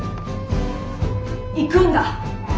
行くんだ。